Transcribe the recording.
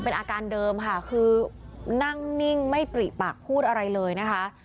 เป็นอาการเดิมค่ะคือนั่งนิ่งไม่ปริปากพูดอะไรเลยนะคะ